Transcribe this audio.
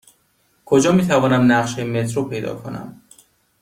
کجا می توانم نقشه مترو پیدا کنم؟